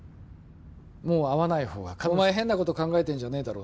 もう会わない方が彼女のためお前変なこと考えてんじゃねえだろうな